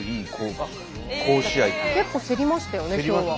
結構競りましたよね今日は。